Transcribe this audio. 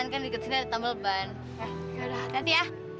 kuangfir bei